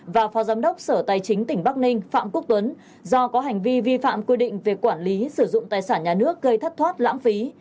và phó giám đốc sở tài chính tỉnh bắc ninh phạm quốc tuấn do có hành vi vi phạm quy định về quản lý sử dụng tài sản nhà nước gây thất thoát lãng phí